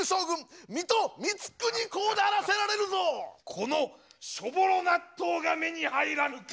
このしょぼろ納豆が目に入らぬか！